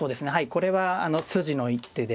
これは筋の一手で。